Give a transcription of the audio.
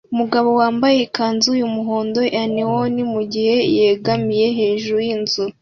Umugabo yambaye ikanzu yumuhondo ya neon mugihe yegamiye hejuru yinzu